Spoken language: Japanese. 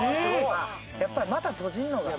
やっぱり股閉じるのが。